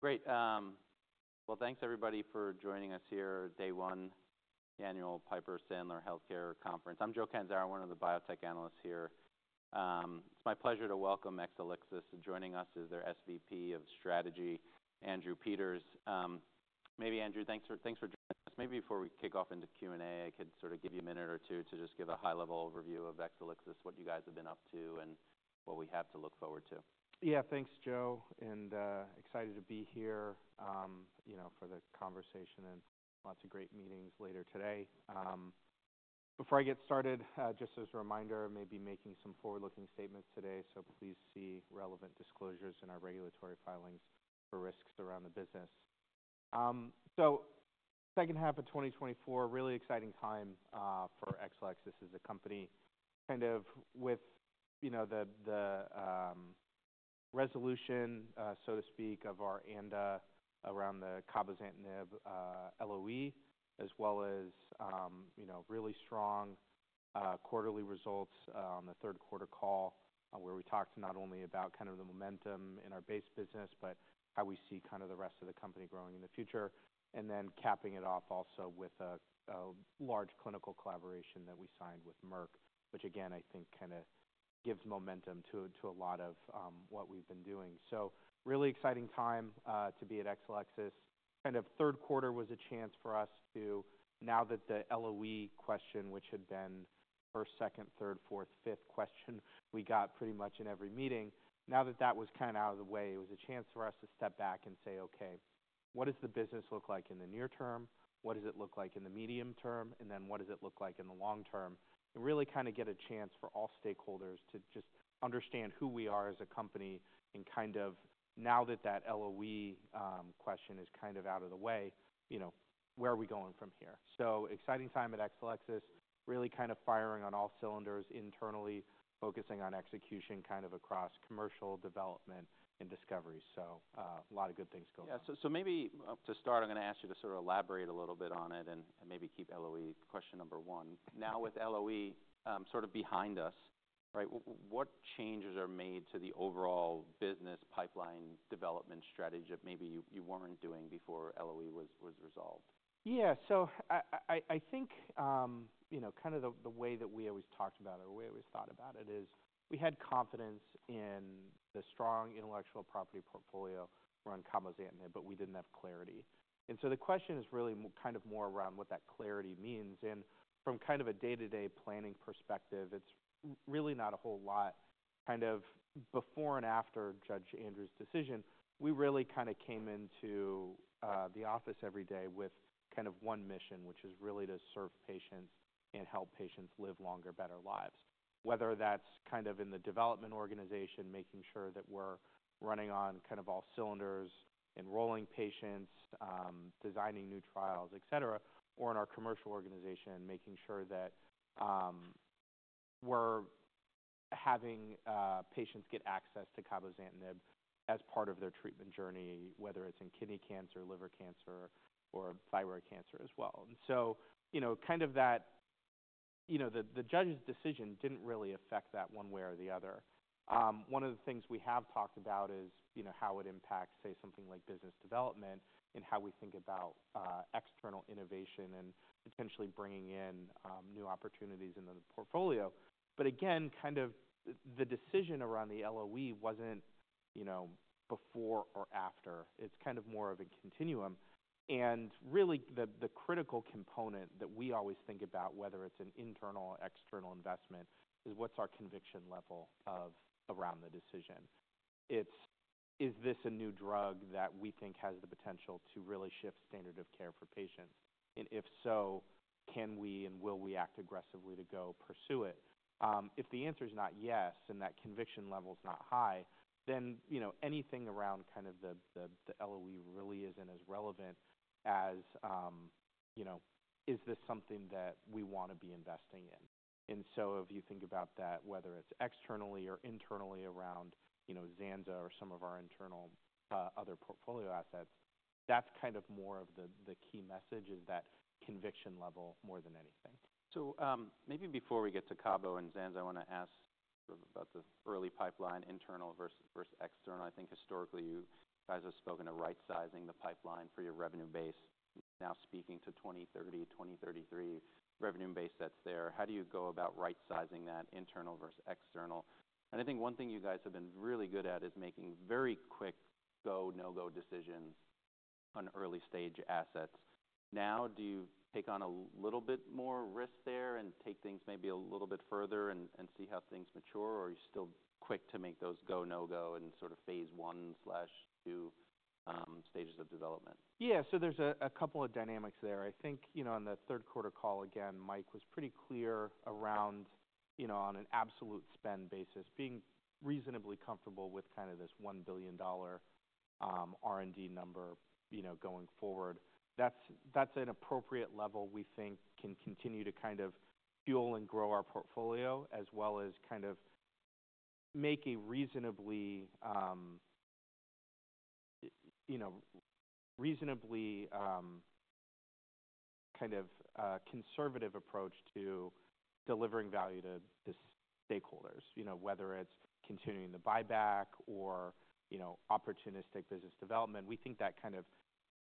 Great. Well, thanks everybody for joining us here at Day One Annual Piper Sandler Healthcare Conference. I'm Joe Catanzaro, one of the biotech analysts here. It's my pleasure to welcome Exelixis. Joining us is their SVP of Strategy, Andrew Peters. Maybe, Andrew, thanks for joining us. Maybe before we kick off into Q&A, I could sort of give you a minute or two to just give a high-level overview of Exelixis, what you guys have been up to, and what we have to look forward to. Yeah, thanks, Joe. And excited to be here, you know, for the conversation and lots of great meetings later today. Before I get started, just as a reminder, maybe making some forward-looking statements today. So please see relevant disclosures in our regulatory filings for risks around the business. So second half of 2024, really exciting time, for Exelixis as a company, kind of with, you know, the resolution, so to speak, of our ANDA around the cabozantinib, LOE, as well as, you know, really strong, quarterly results on the third quarter call, where we talked not only about kind of the momentum in our base business, but how we see kind of the rest of the company growing in the future. And then capping it off also with a large clinical collaboration that we signed with Merck, which again, I think kind of gives momentum to a lot of what we've been doing. So really exciting time to be at Exelixis. Kind of third quarter was a chance for us to, now that the LOE question, which had been first, second, third, fourth, fifth question we got pretty much in every meeting, now that that was kind of out of the way, it was a chance for us to step back and say, okay, what does the business look like in the near term? What does it look like in the medium term? And then what does it look like in the long term? And really kind of get a chance for all stakeholders to just understand who we are as a company and kind of now that that LOE question is kind of out of the way, you know, where are we going from here? So exciting time at Exelixis, really kind of firing on all cylinders internally, focusing on execution kind of across commercial development and discovery. So, a lot of good things going on. Yeah. So maybe to start, I'm gonna ask you to sort of elaborate a little bit on it and maybe keep LOE question number one. Now with LOE sort of behind us, right, what changes are made to the overall business pipeline development strategy that maybe you weren't doing before LOE was resolved? Yeah. So I think, you know, kind of the way that we always talked about it or we always thought about it is we had confidence in the strong intellectual property portfolio around cabozantinib, but we didn't have clarity. So the question is really kind of more around what that clarity means. From kind of a day-to-day planning perspective, it's really not a whole lot. Kind of before and after Judge Andrews' decision, we really kind of came into the office every day with kind of one mission, which is really to serve patients and help patients live longer, better lives. Whether that's kind of in the development organization, making sure that we're running on kind of all cylinders and rolling patients, designing new trials, etc., or in our commercial organization, making sure that we're having patients get access to cabozantinib as part of their treatment journey, whether it's in kidney cancer, liver cancer, or thyroid cancer as well, and so, you know, kind of that, you know, the judge's decision didn't really affect that one way or the other. One of the things we have talked about is, you know, how it impacts, say, something like business development and how we think about, external innovation and potentially bringing in, new opportunities into the portfolio, but again, kind of the decision around the LOE wasn't, you know, before or after. It's kind of more of a continuum. And really, the critical component that we always think about, whether it's an internal or external investment, is what's our conviction level around the decision. Is this a new drug that we think has the potential to really shift standard of care for patients? And if so, can we and will we act aggressively to go pursue it? If the answer's not yes and that conviction level's not high, then, you know, anything around kind of the LOE really isn't as relevant as, you know, is this something that we wanna be investing in? And so if you think about that, whether it's externally or internally around, you know, Zanza or some of our internal, other portfolio assets, that's kind of the key message: that conviction level more than anything. Maybe before we get to Cabo and Zanza, I wanna ask sort of about the early pipeline, internal versus external. I think historically you guys have spoken to right-sizing the pipeline for your revenue base, now speaking to 2030, 2033 revenue base that's there. How do you go about right-sizing that internal versus external? And I think one thing you guys have been really good at is making very quick go, no-go decisions on early-stage assets. Now do you take on a little bit more risk there and take things maybe a little bit further and see how things mature? Or are you still quick to make those go, no-go and sort of phase one slash two, stages of development? Yeah. So there's a couple of dynamics there. I think, you know, on the third quarter call, again, Mike was pretty clear around, you know, on an absolute spend basis, being reasonably comfortable with kind of this $1 billion R&D number, you know, going forward. That's an appropriate level we think can continue to kind of fuel and grow our portfolio as well as kind of make a reasonably, you know, reasonably kind of conservative approach to delivering value to the stakeholders, you know, whether it's continuing the buyback or, you know, opportunistic business development. We think that kind of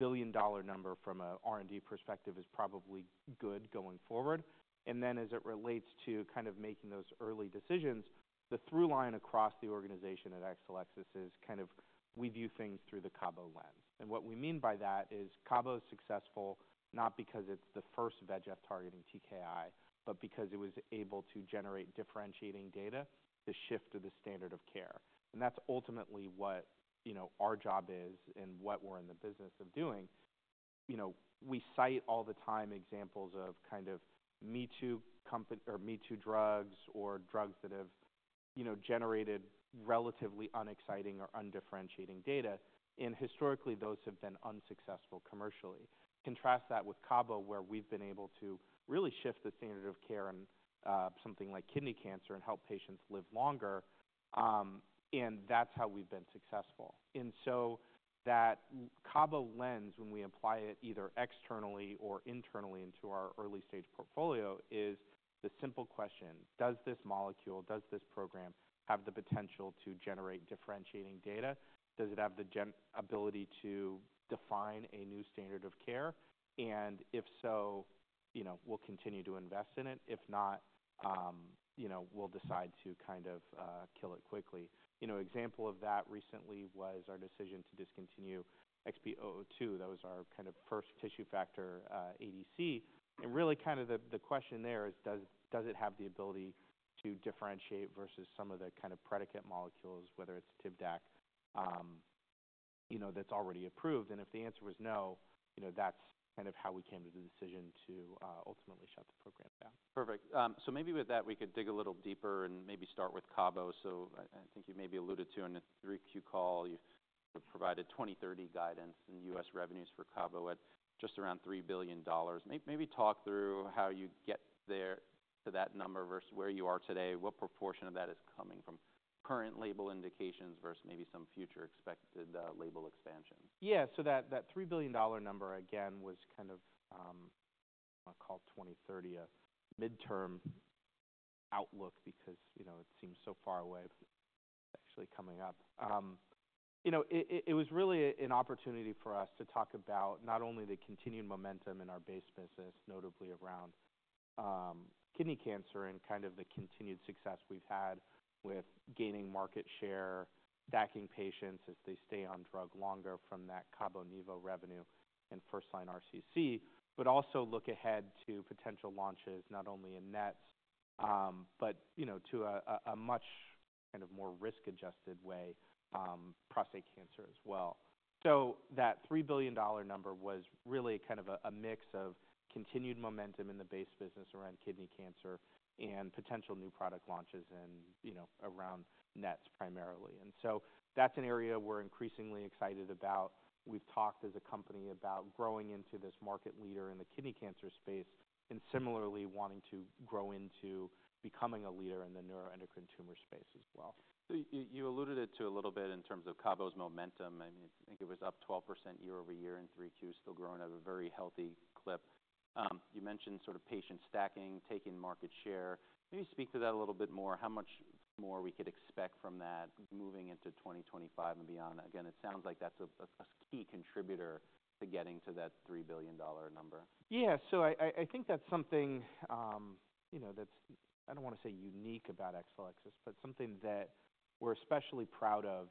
billion-dollar number from a R&D perspective is probably good going forward. And then as it relates to kind of making those early decisions, the through line across the organization at Exelixis is kind of we view things through the Cabo lens. What we mean by that is Cabo's successful not because it's the first VEGF targeting TKI, but because it was able to generate differentiating data to shift to the standard of care. And that's ultimately what, you know, our job is and what we're in the business of doing. You know, we cite all the time examples of kind of me-too company or me-too drugs or drugs that have, you know, generated relatively unexciting or undifferentiating data. And historically, those have been unsuccessful commercially. Contrast that with Cabo, where we've been able to really shift the standard of care in something like kidney cancer and help patients live longer. And that's how we've been successful. And so that Cabo lens, when we apply it either externally or internally into our early-stage portfolio, is the simple question: does this molecule, does this program have the removed potential to generate differentiating data? Does it have the ability to define a new standard of care? And if so, you know, we'll continue to invest in it. If not, you know, we'll decide to kind of kill it quickly. You know, example of that recently was our decision to discontinue XB002. That was our kind of first tissue factor ADC. And really kind of the question there is, does it have the ability to differentiate versus some of the kind of predicate molecules, whether it's Tivdak, you know, that's already approved? And if the answer was no, you know, that's kind of how we came to the decision to ultimately shut the program down. Perfect. So maybe with that, we could dig a little deeper and maybe start with Cabo. So I, I think you maybe alluded to in the Q3 call, you provided 2030 guidance and U.S. revenues for Cabo at just around $3 billion. Maybe talk through how you get there to that number versus where you are today, what proportion of that is coming from current label indications versus maybe some future expected label expansions. Yeah. So that $3 billion number again was kind of. I'll call 2030 a midterm outlook because, you know, it seems so far away, actually coming up. You know, it was really an opportunity for us to talk about not only the continued momentum in our base business, notably around kidney cancer and kind of the continued success we've had with gaining market share, stacking patients as they stay on drug longer from that Cabo Nivo revenue and first-line RCC, but also look ahead to potential launches, not only in NETs, but, you know, to a much kind of more risk-adjusted way, prostate cancer as well. So that $3 billion number was really kind of a mix of continued momentum in the base business around kidney cancer and potential new product launches and, you know, around NETs primarily. And so that's an area we're increasingly excited about. We've talked as a company about growing into this market leader in the kidney cancer space and similarly wanting to grow into becoming a leader in the neuroendocrine tumor space as well. So you alluded to it a little bit in terms of Cabo's momentum. I mean, I think it was up 12% year over year in Q3, still growing at a very healthy clip. You mentioned sort of patient stacking, taking market share. Maybe speak to that a little bit more. How much more we could expect from that moving into 2025 and beyond? Again, it sounds like that's a key contributor to getting to that $3 billion number. Yeah. So I think that's something, you know, that's. I don't wanna say unique about Exelixis, but something that we're especially proud of,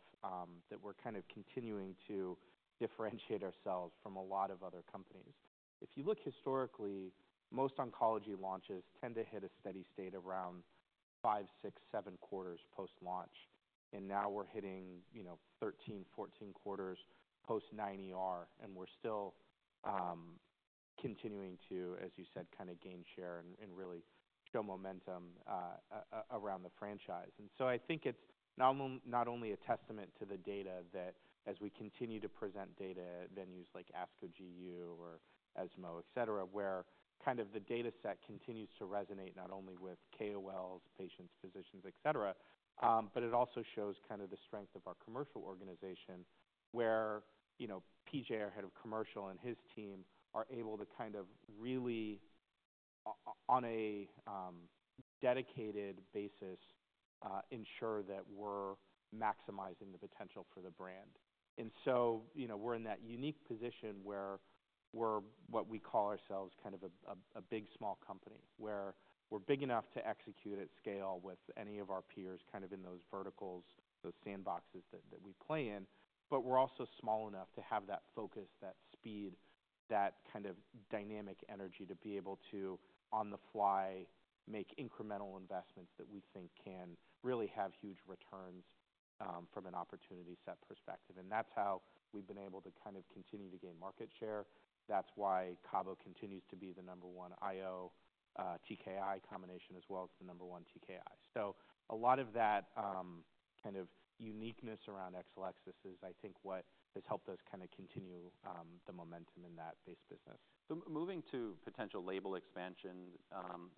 that we're kind of continuing to differentiate ourselves from a lot of other companies. If you look historically, most oncology launches tend to hit a steady state around five, six, seven quarters post-launch. And now we're hitting, you know, 13, 14 quarters post-9ER. And we're still continuing to, as you said, kind of gain share and really show momentum around the franchise. And so I think it's not only, not only a testament to the data that as we continue to present data venues like ASCO GU or ESMO, etc., where kind of the data set continues to resonate not only with KOLs, patients, physicians, etc., but it also shows kind of the strength of our commercial organization where, you know, P.J., our head of commercial and his team are able to kind of really, on a dedicated basis, ensure that we're maximizing the potential for the brand. And so, you know, we're in that unique position where we're what we call ourselves kind of a big small company where we're big enough to execute at scale with any of our peers kind of in those verticals, those sandboxes that we play in. But we're also small enough to have that focus, that speed, that kind of dynamic energy to be able to, on the fly, make incremental investments that we think can really have huge returns, from an opportunity set perspective. And that's how we've been able to kind of continue to gain market share. That's why Cabo continues to be the number one IO, TKI combination as well as the number one TKI. So a lot of that, kind of uniqueness around Exelixis is, I think, what has helped us kind of continue the momentum in that base business. Moving to potential label expansion,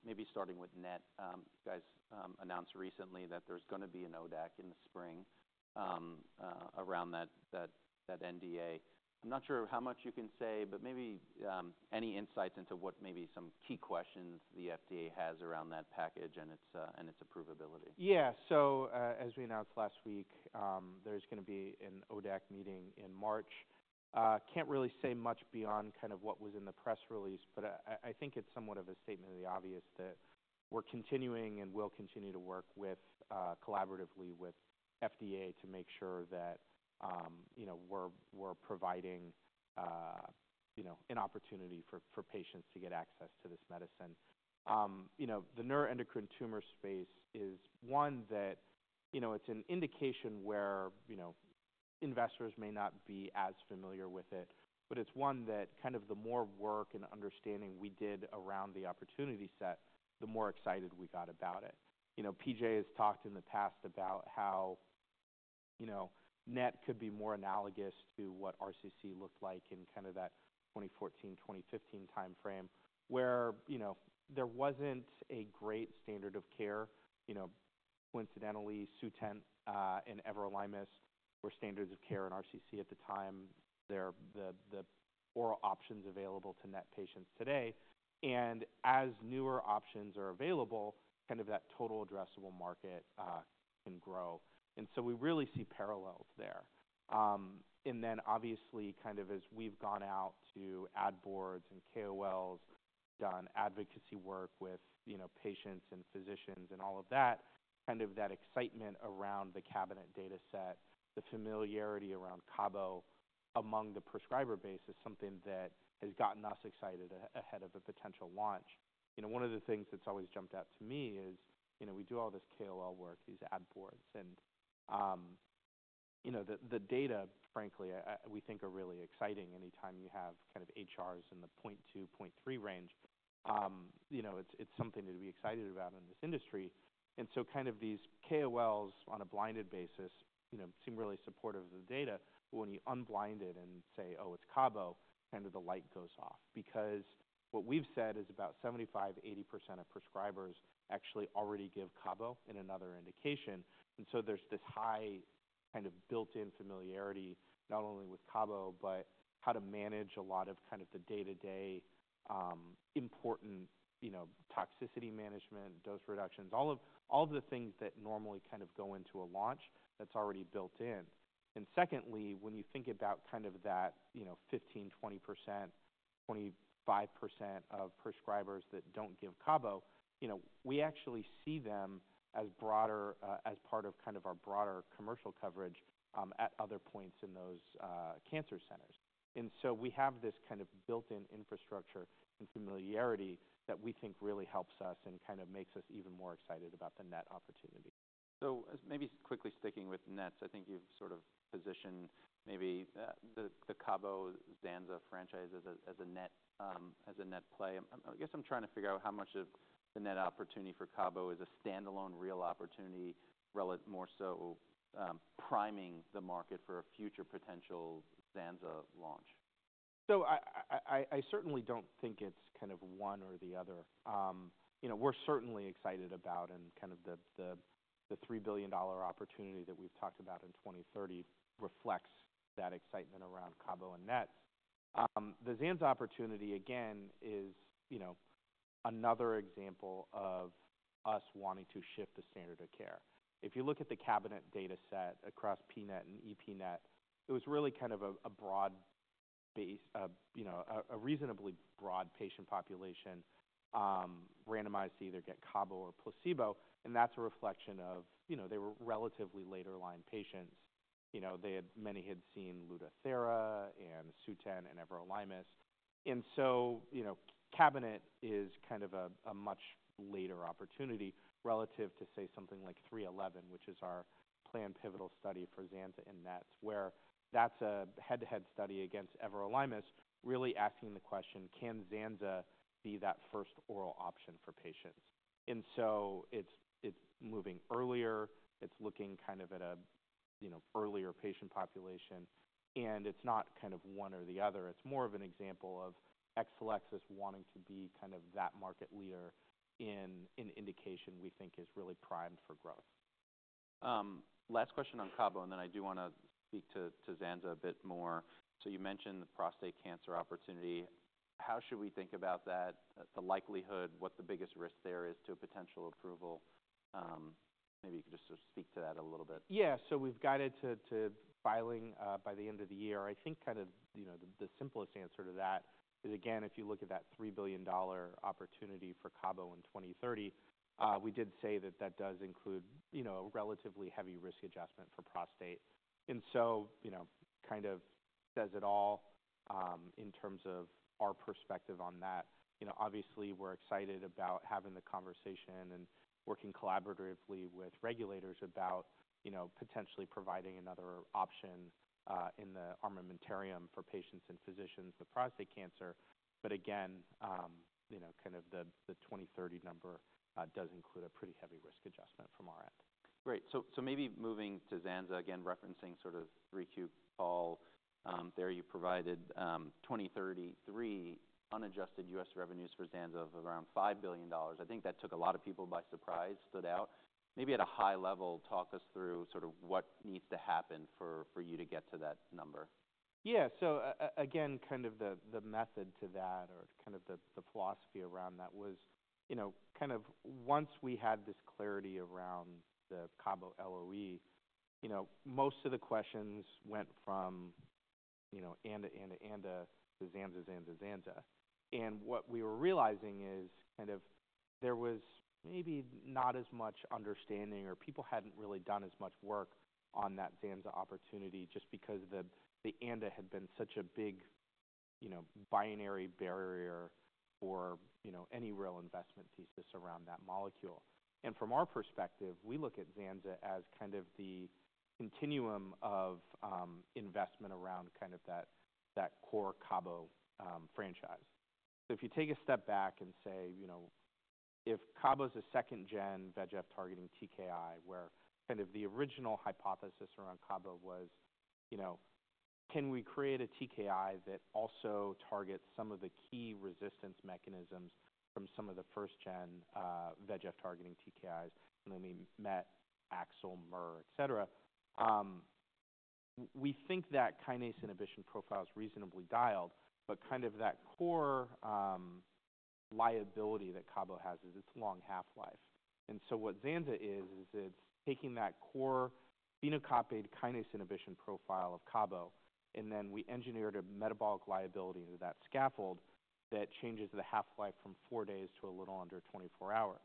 maybe starting with NET, you guys announced recently that there's gonna be an ODAC in the spring, around that NDA. I'm not sure how much you can say, but maybe any insights into what maybe some key questions the FDA has around that package and its approvability. Yeah. So, as we announced last week, there's gonna be an ODAC meeting in March. Can't really say much beyond kind of what was in the press release, but I think it's somewhat of a statement of the obvious that we're continuing and will continue to work with, collaboratively with FDA to make sure that, you know, we're providing, you know, an opportunity for patients to get access to this medicine. You know, the neuroendocrine tumor space is one that, you know, it's an indication where, you know, investors may not be as familiar with it, but it's one that kind of the more work and understanding we did around the opportunity set, the more excited we got about it. You know, P.J. has talked in the past about how, you know, NET could be more analogous to what RCC looked like in kind of that 2014, 2015 timeframe where, you know, there wasn't a great standard of care. You know, coincidentally, Sutent and everolimus were standards of care in RCC at the time, they're the oral options available to NET patients today, and as newer options are available, kind of that total addressable market can grow. And so we really see parallels there, and then obviously kind of as we've gone out to ad boards and KOLs, done advocacy work with, you know, patients and physicians and all of that, kind of that excitement around the CABINET data set, the familiarity around Cabo among the prescriber base is something that has gotten us excited ahead of a potential launch. You know, one of the things that's always jumped out to me is, you know, we do all this KOL work, these ad boards, and, you know, the data, frankly, we think are really exciting anytime you have kind of HRs in the 0.2, 0.3 range. You know, it's something to be excited about in this industry. And so kind of these KOLs on a blinded basis, you know, seem really supportive of the data. But when you unblind it and say, "Oh, it's Cabo," kind of the light goes off because what we've said is about 75%-80% of prescribers actually already give Cabo in another indication. And so there's this high kind of built-in familiarity not only with Cabo, but how to manage a lot of kind of the day-to-day, important, you know, toxicity management, dose reductions, all of the things that normally kind of go into a launch that's already built in. And secondly, when you think about kind of that, you know, 15%-20%, 25% of prescribers that don't give Cabo, you know, we actually see them as broader, as part of kind of our broader commercial coverage, at other points in those cancer centers. And so we have this kind of built-in infrastructure and familiarity that we think really helps us and kind of makes us even more excited about the NET opportunity. So as maybe quickly sticking with NETs, I think you've sort of positioned maybe the Cabo Zanza franchise as a NET play. I guess I'm trying to figure out how much of the NET opportunity for Cabo is a standalone real opportunity or more so, priming the market for a future potential Zanza launch. So I certainly don't think it's kind of one or the other. You know, we're certainly excited about and kind of the $3 billion opportunity that we've talked about in 2030 reflects that excitement around Cabo and NETs. The Zanza opportunity again is, you know, another example of us wanting to shift the standard of care. If you look at the CABINET data set across PNET and EPNET, it was really kind of a broad base, you know, a reasonably broad patient population, randomized to either get Cabo or placebo. And that's a reflection of, you know, they were relatively later line patients. You know, they had many had seen Lutathera and Sutent and everolimus. And so, you know, CABINET is kind of a, a much later opportunity relative to, say, something like 311, which is our planned pivotal study for Zanza and NETs, where that's a head-to-head study against Everolimus really asking the question, can Zanza be that first oral option for patients? And so it's moving earlier. It's looking kind of at a, you know, earlier patient population. And it's not kind of one or the other. It's more of an example of Exelixis wanting to be kind of that market leader in an indication we think is really primed for growth. Last question on Cabo, and then I do wanna speak to Zanza a bit more. So you mentioned the prostate cancer opportunity. How should we think about that, the likelihood, what the biggest risk there is to a potential approval? Maybe you could just sort of speak to that a little bit. Yeah. So we've guided to filing by the end of the year. I think kind of, you know, the simplest answer to that is, again, if you look at that $3 billion opportunity for Cabo in 2030, we did say that that does include, you know, a relatively heavy risk adjustment for prostate. And so, you know, kind of says it all, in terms of our perspective on that. You know, obviously we're excited about having the conversation and working collaboratively with regulators about, you know, potentially providing another option, in the armamentarium for patients and physicians, the prostate cancer. But again, you know, kind of the 2030 number does include a pretty heavy risk adjustment from our end. Great. So, maybe moving to Zanza, again, referencing sort of 3Q call, there you provided 2033 unadjusted U.S. revenues for Zanza of around $5 billion. I think that took a lot of people by surprise, stood out. Maybe at a high level, talk us through sort of what needs to happen for you to get to that number. Yeah. So, again, kind of the method to that or kind of the philosophy around that was, you know, kind of once we had this clarity around the Cabo LOE, you know, most of the questions went from, you know, ANDA, ANDA, ANDA to Zanza, Zanza, Zanza. And what we were realizing is kind of there was maybe not as much understanding or people hadn't really done as much work on that Zanza opportunity just because the ANDA had been such a big, you know, binary barrier for, you know, any real investment thesis around that molecule. And from our perspective, we look at Zanza as kind of the continuum of investment around kind of that core Cabo franchise. So if you take a step back and say, you know, if Cabo's a second-gen VEGF targeting TKI, where kind of the original hypothesis around Cabo was, you know, can we create a TKI that also targets some of the key resistance mechanisms from some of the first-gen, VEGF targeting TKIs? And then with MET, AXL, MER, etc., we think that kinase inhibition profile's reasonably dialed, but kind of that core, liability that Cabo has is its long half-life. And so what Zanza is, is it's taking that core phenocopy kinase inhibition profile of Cabo, and then we engineered a metabolic liability into that scaffold that changes the half-life from four days to a little under 24 hours.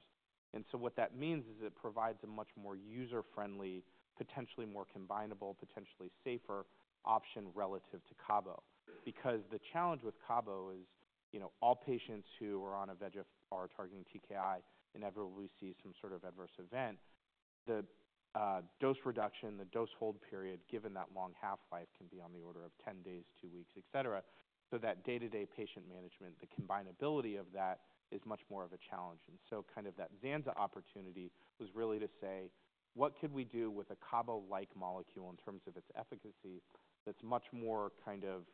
And so what that means is it provides a much more user-friendly, potentially more combinable, potentially safer option relative to Cabo because the challenge with Cabo is, you know, all patients who are on a VEGF-targeting TKI and whenever we see some sort of adverse event, the dose reduction, the dose hold period given that long half-life can be on the order of 10 days, two weeks, etc. So that day-to-day patient management, the combinability of that is much more of a challenge. And so kind of that Zanza opportunity was really to say, what could we do with a Cabo-like molecule in terms of its efficacy that's much more kind of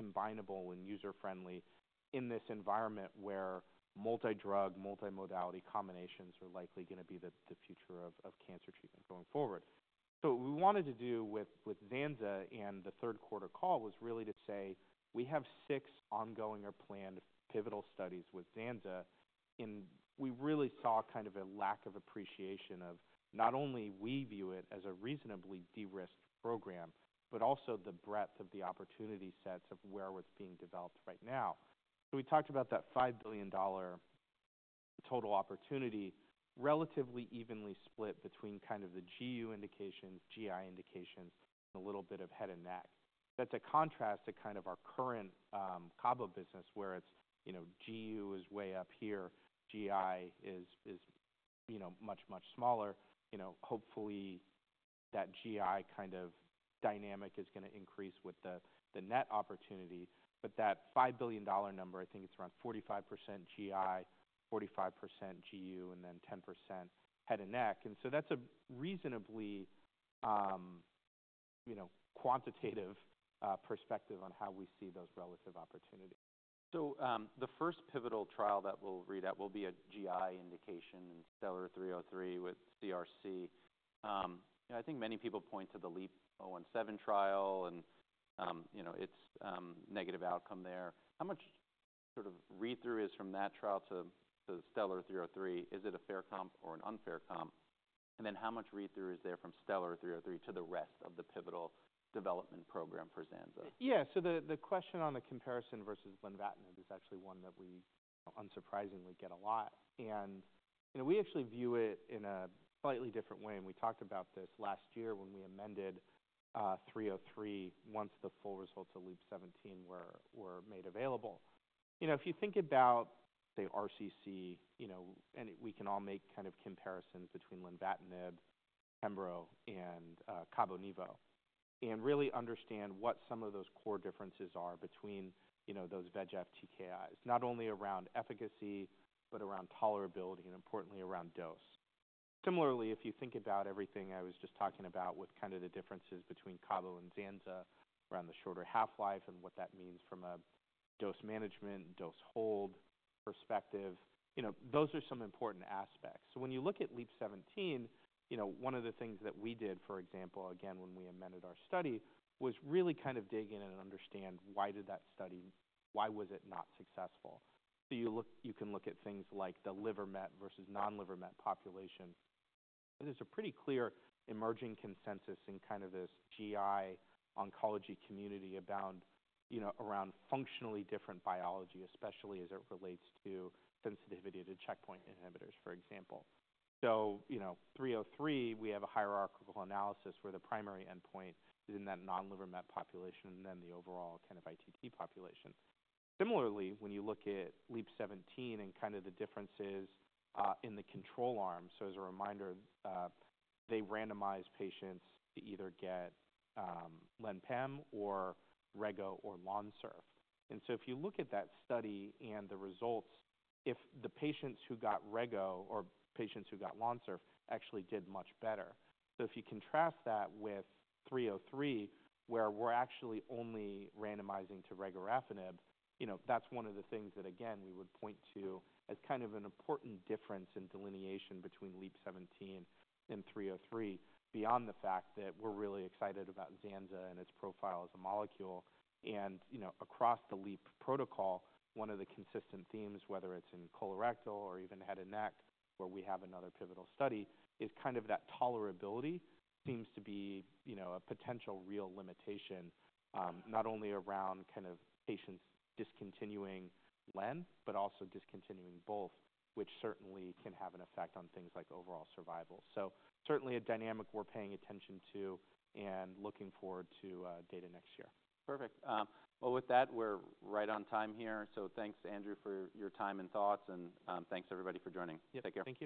combinable and user-friendly in this environment where multi-drug, multi-modality combinations are likely gonna be the future of cancer treatment going forward? So what we wanted to do with Zanza and the third quarter call was really to say we have six ongoing or planned pivotal studies with Zanza, and we really saw kind of a lack of appreciation of not only we view it as a reasonably de-risked program, but also the breadth of the opportunity sets of where what's being developed right now. So we talked about that $5 billion total opportunity relatively evenly split between kind of the GU indications, GI indications, and a little bit of head and neck. That's a contrast to kind of our current Cabo business where it's, you know, GU is way up here, GI is, you know, much, much smaller. You know, hopefully that GI kind of dynamic is gonna increase with the net opportunity. But that $5 billion number, I think it's around 45% GI, 45% GU, and then 10% head and neck. And so that's a reasonably, you know, quantitative, perspective on how we see those relative opportunities. So, the first pivotal trial that we'll readout will be a GI indication and STELLAR-303 with CRC. You know, I think many people point to the LEAP-017 trial and, you know, its negative outcome there. How much sort of read-through is from that trial to STELLAR-303? Is it a fair comp or an unfair comp? And then how much read-through is there from STELLAR-303 to the rest of the pivotal development program for Zanza? Yeah. So the question on the comparison versus lenvatinib is actually one that we, you know, unsurprisingly get a lot. And, you know, we actually view it in a slightly different way. And we talked about this last year when we amended 303 once the full results of LEAP-017 were made available. You know, if you think about, say, RCC, you know, and we can all make kind of comparisons between lenvatinib, Pembro, and Cabo Nivo, and really understand what some of those core differences are between, you know, those VEGF TKIs, not only around efficacy, but around tolerability and importantly around dose. Similarly, if you think about everything I was just talking about with kind of the differences between Cabo and Zanza around the shorter half-life and what that means from a dose management, dose hold perspective, you know, those are some important aspects. So when you look at LEAP-017, you know, one of the things that we did, for example, again, when we amended our study was really kind of dig in and understand why did that study, why was it not successful? So you look, you can look at things like the liver met versus non-liver met population. There's a pretty clear emerging consensus in kind of this GI oncology community about, you know, around functionally different biology, especially as it relates to sensitivity to checkpoint inhibitors, for example. So, you know, STELLAR-303, we have a hierarchical analysis where the primary endpoint is in that non-liver met population and then the overall kind of ITT population. Similarly, when you look at LEAP-017 and kind of the differences, in the control arm, so as a reminder, they randomize patients to either get, Len/Pem or Rego or Lonsurf. If you look at that study and the results, if the patients who got Rego or patients who got Lonsurf actually did much better. If you contrast that with 303, where we're actually only randomizing to regorafenib, you know, that's one of the things that, again, we would point to as kind of an important difference in delineation between LEAP-017 and 303 beyond the fact that we're really excited about Zanza and its profile as a molecule. You know, across the LEAP protocol, one of the consistent themes, whether it's in colorectal or even head and neck, where we have another pivotal study, is kind of that tolerability seems to be, you know, a potential real limitation, not only around kind of patients discontinuing Len, but also discontinuing both, which certainly can have an effect on things like overall survival. So certainly a dynamic we're paying attention to and looking forward to data next year. Perfect. Well, with that, we're right on time here. So thanks, Andrew, for your time and thoughts. And, thanks everybody for joining. Yep. Take care.